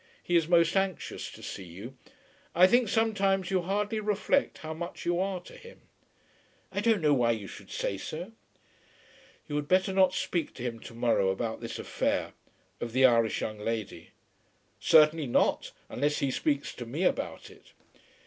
He is most anxious to see you. I think sometimes you hardly reflect how much you are to him." "I don't know why you should say so." "You had better not speak to him to morrow about this affair, of the Irish young lady." "Certainly not, unless he speaks to me about it."